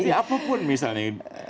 jadi apapun misalnya